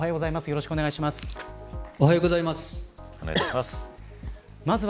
よろしくお願いします。